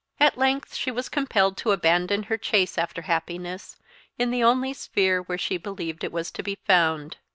At length she was compelled to abandon her chase after happiness in the only sphere where she believed it was to be found.